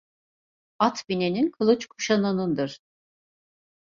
At binenin kılıç kuşananındır.